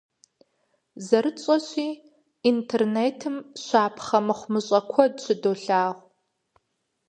ЗэрытщӀэщи, интернетым щапхъэ мыхъумыщӏэ куэд щыдолъагъу.